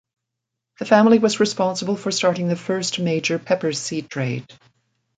The family was responsible for starting the first major pepper sea trade.